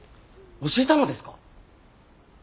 教えたのですか。